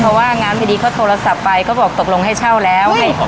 เพราะว่างานพอดีเขาโทรศัพท์ไปก็บอกตกลงให้เช่าแล้ว